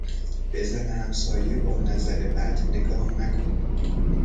به زن همسایه با نظر بد نگاه مکن!